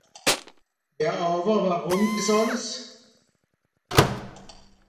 Ja àwer wùrùm dìs àlles ?